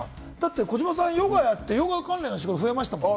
児嶋さん、ヨガやって、ヨガ関連の仕事、増えましたもんね。